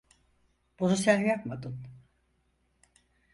Bunu sen yapmadın.